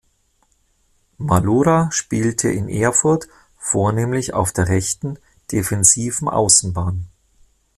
Malura spielte in Erfurt vornehmlich auf der rechten defensiven Außenbahn.